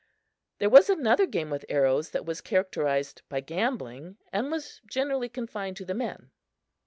There was another game with arrows that was characterized by gambling, and was generally confined to the men.